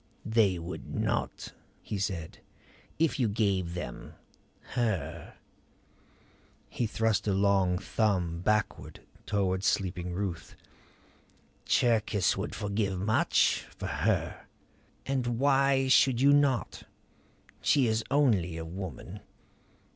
"They would not," he said "If you gave them her." He thrust a long thumb backward toward sleeping Ruth. "Cherkis would forgive much for her. And why should you not? She is only a woman."